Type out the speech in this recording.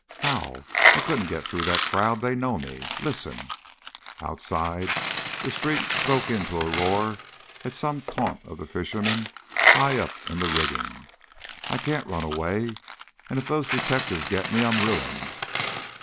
"How? I couldn't get through that crowd. They know me. Listen!" Outside the street broke into a roar at some taunt of the fishermen high up in the rigging. "I can't run away, and if those detectives get me I'm ruined."